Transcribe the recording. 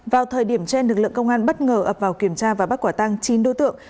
vào thời điểm trên lực lượng công an bất ngờ ập vào kiểm tra và bắt quả tăng chín đối tượng